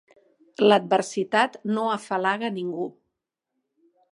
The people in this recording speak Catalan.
L'adversitat no afalaga ningú.